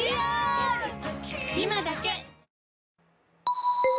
今だけ！